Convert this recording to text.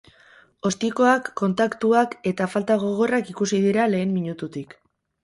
Ostikoak, kontaktuak eta falta gogorrak ikusi dira lehen minututik.